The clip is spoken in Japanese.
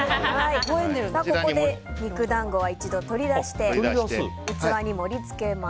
ここで肉団子は一度取り出して器に盛り付けます。